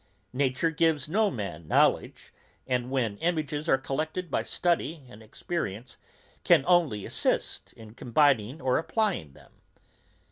Nature gives no man knowledge, and when images are collected by study and experience, can only assist in combining or applying them.